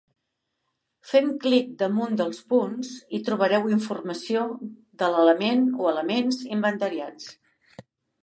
Fent clic damunt dels punts hi trobareu informació de l'element o elements inventariats.